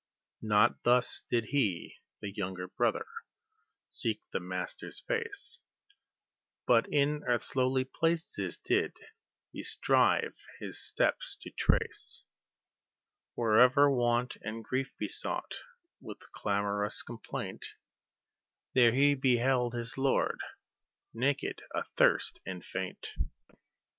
Not thus did he, the younger brother, seek the Master's face; But in earth's lowly places did he strive his steps to trace, Wherever want and grief besought with clamorous complaint, There he beheld his Lord naked, athirst, and faint.